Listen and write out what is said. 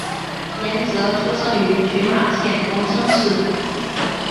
岩泽出生于群马县桐生市。